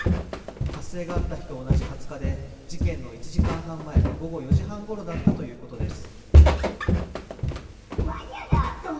発生があった日と同じ２０日で事件の１時間前午後４時半ごろだったということです。